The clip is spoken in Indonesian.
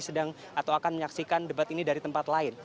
sedang atau akan menyaksikan debat ini dari tempat lain